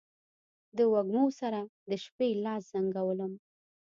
د وږمو سره، د شپې لاس زنګولم